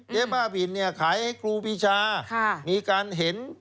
บ้าบินเนี่ยขายให้ครูปีชามีการเห็น